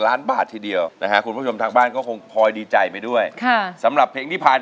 เขาเรียกว่าเป็นความฮึกเหิม